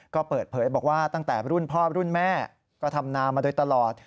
ก็เปิดเผยบอกว่าตั้งแต่รุ่นพ่อรุ่นแม่ก็ทำนามาโดยตลอด